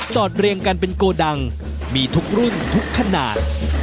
เรียงกันเป็นโกดังมีทุกรุ่นทุกขนาด